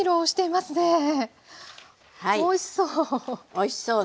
おいしそう。